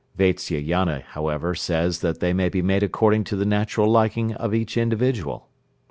Vatsyayana, however, says that they may be made according to the natural liking of each individual.